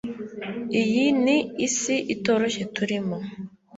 Iyi ni isi itoroshye turimo